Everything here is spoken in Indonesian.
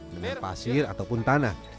dengan pasir ataupun tanah